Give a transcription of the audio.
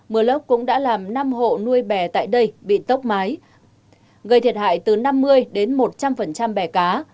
mưa lốc cũng đã làm năm hộ nuôi bè tại đây bị tốc mái gây thiệt hại từ năm mươi đến một trăm linh bè cá